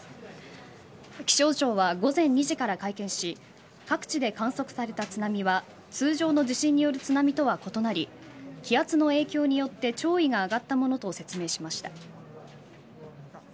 気象庁は午前２時から会見し各地で観測された津波は通常の地震による津波とは異なり気圧の影響によって潮位が上がったものと説明しました。